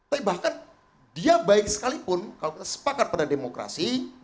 tapi bahkan dia baik sekalipun kalau kita sepakat pada demokrasi